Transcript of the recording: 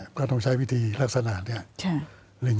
ก็ต้องใช้วิธีลักษณะนี้